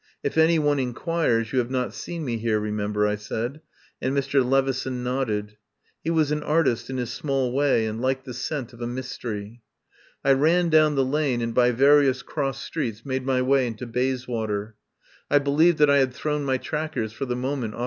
"If any one inquires, you have not seen me here, remember," I said, and Mr. Levison nodded. He was an artist in his small way and liked the scent of a mystery. I ran down the lane and by various cross 173 THE POWER HOUSE streets made my way into Bayswater. I be lieved that I had thrown my trackers for the moment of!